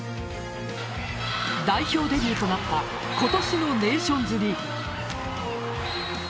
代表デビューとなった今年のネーションズリーグ。